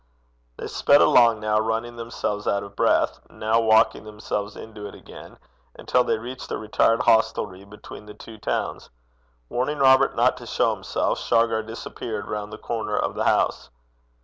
They sped along, now running themselves out of breath, now walking themselves into it again, until they reached a retired hostelry between the two towns. Warning Robert not to show himself, Shargar disappeared round the corner of the house.